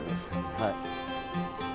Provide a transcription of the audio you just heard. はい。